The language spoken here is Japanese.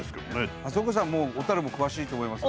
松岡さんはもう小も詳しいと思いますが。